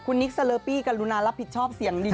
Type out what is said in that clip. คุณนิกสเลอปี้กรุณารับผิดชอบเสียงดี